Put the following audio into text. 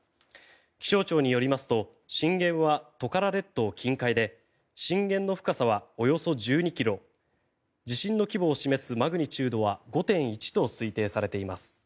気象庁によりますと震源はトカラ列島近海で震源の深さはおよそ１２ｋｍ地震の規模示すマグニチュードは５．１と推定されています。